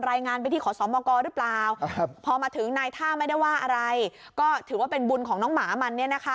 ทิ้งบันไดรถเองได้แล้วก็ไปนอนซ่อนอยู่นะฮะ